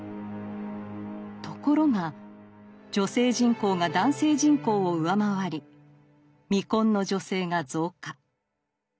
ところが女性人口が男性人口を上回り未婚の女性が増加。